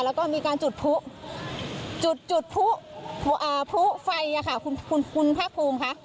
แล้วก็มีการจุดผู้จุดจุดผู้อ่าผู้ไฟค่ะคุณคุณพระคุมค่ะ